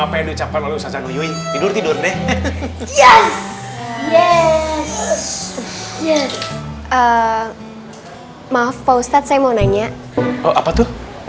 penutup kalau saya ngelih tidur tidurnya yes yes yes eh maaf pak ustadz saya mau nanya oh apa itu